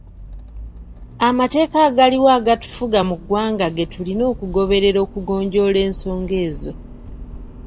Amateeka agaliwo agatufuga mu ggwanga ge tulina okugoberera okugonjoola ensonga ezo.